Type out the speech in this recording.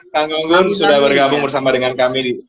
kak gunggun sudah bergabung bersama dengan kami